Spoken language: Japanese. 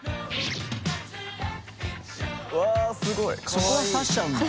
そこは刺しちゃうんだ。